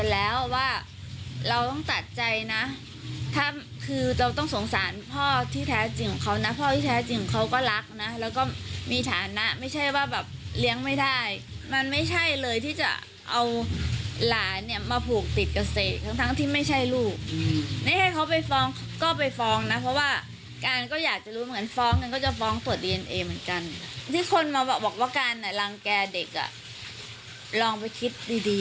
แล้วว่าเราต้องตัดใจนะถ้าคือเราต้องสงสารพ่อที่แท้จริงของเขานะพ่อที่แท้จริงเขาก็รักนะแล้วก็มีฐานะไม่ใช่ว่าแบบเลี้ยงไม่ได้มันไม่ใช่เลยที่จะเอาหลานเนี่ยมาผูกติดกับเสกทั้งทั้งที่ไม่ใช่ลูกไม่ให้เขาไปฟ้องก็ไปฟ้องนะเพราะว่าการก็อยากจะรู้เหมือนฟ้องกันก็จะฟ้องตรวจดีเอนเอเหมือนกันที่คนมาบอกว่าการอ่ะรังแก่เด็กอ่ะลองไปคิดดีดี